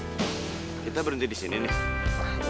boy kita berhenti disini nih